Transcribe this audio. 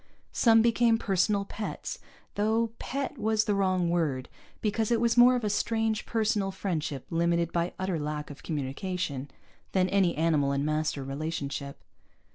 Some became personal pets, though "pet" was the wrong word, because it was more of a strange personal friendship limited by utter lack of communication, than any animal and master relationship.